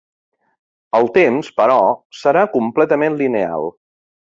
El temps, però, serà completament lineal.